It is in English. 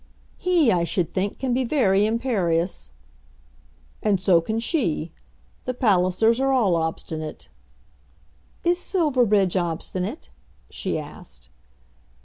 "He, I should think, can be very imperious." "And so can she. The Pallisers are all obstinate." "Is Silverbridge obstinate?" she asked.